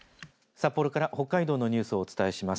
札幌から北海道のニュースをお伝えします。